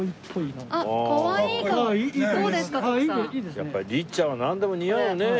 やっぱ律ちゃんはなんでも似合うね。